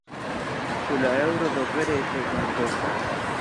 Ĉu la eŭro do vere estas malforta?